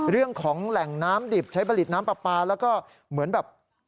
เรื่องของแหล่งน้ำดิบใช้ผลิตน้ำปลาปลาแล้วก็เหมือนแบบ